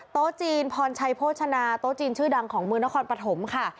โต๊ะจีนพรชัยโภชนาโต๊ะจีนชื่อดังของเมืองนครปฐมค่ะ